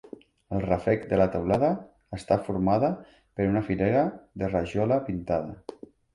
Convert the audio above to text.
El ràfec de la teulada està formada per una filera de rajola pintada.